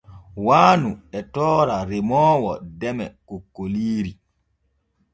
Waanu e toora remoowo deme kokkoliiri.